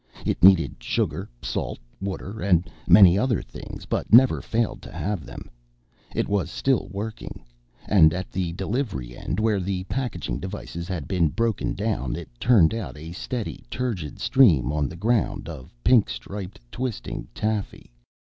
It needed sugar, salt, water and many other things but never failed to have them. It was still working. And at the delivery end, where the packaging devices had been broken down, it turned out a steady turgid stream on the ground of pink striped, twisting taffy.